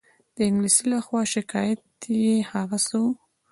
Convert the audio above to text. د انګلیس له خوا شکایت یې هغه څه وو.